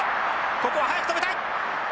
ここは早く止めたい！